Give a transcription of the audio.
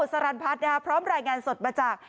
สรรพัฒน์พร้อมรายงานสดมาจาก